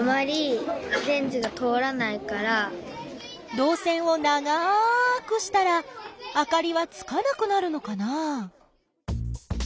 どう線を長くしたらあかりはつかなくなるのかな？